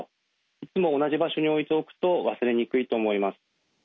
いつも同じ場所に置いておくと忘れにくいと思います。